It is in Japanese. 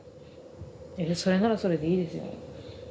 それならそれでいいですよ。